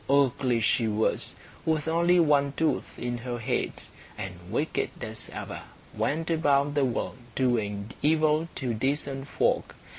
Ugly she was, with only one tooth in her head, and wicked as ever went about the world doing evil to decent folk.